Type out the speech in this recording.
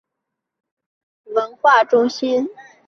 他还以拨款和其他方式支持一家德国文化中心。